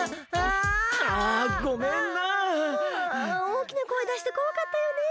おおきなこえだしてこわかったよね。